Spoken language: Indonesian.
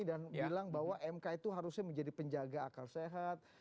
dan bilang bahwa mk itu harusnya menjadi penjaga akal sehat